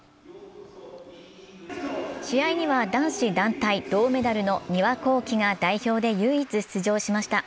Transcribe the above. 試合には男子団体銅メダルの丹羽孝希が代表で唯一出場しました。